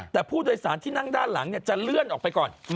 แต่ผู้โดยสารที่นั่งด้านหลังจะเลื่อนออกไปก่อน